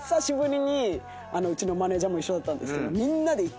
うちのマネジャーも一緒だったんですけど。